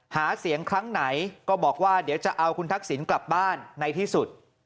หาเสียงครั้งไหนก็บอกว่าเดี๋ยวจะเอาคุณทักษิณกลับบ้านในที่สุด